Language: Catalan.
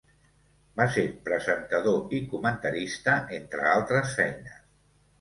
Va ser presentador i comentarista, entre altres feines.